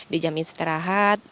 di jam istirahat